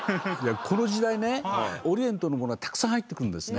この時代ねオリエントのものがたくさん入ってくるんですね。